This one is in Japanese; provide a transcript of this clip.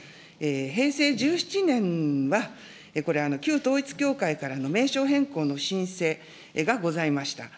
平成１７年は、これは旧統一教会からの名称変更の申請がございました。